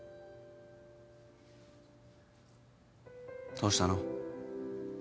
どうしたの？